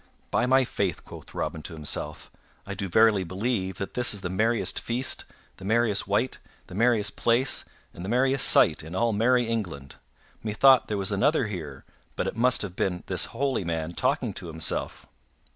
"By my faith," quoth Robin to himself, "I do verily believe that this is the merriest feast, the merriest wight, the merriest place, and the merriest sight in all merry England. Methought there was another here, but it must have been this holy man talking to himself."